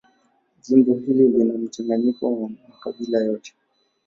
Jimbo hili lina mchanganyiko wa makabila yote.